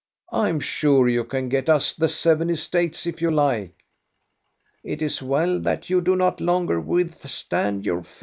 I 'm sure you can get us the seven estates if you like." " It is well that you do not longer withstand your fate."